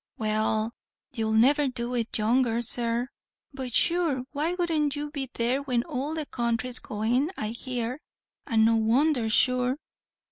"Well, you'll never do it younger, sir, but sure why wouldn't you be there when all the counthry is goin' I hear, and no wondher sure.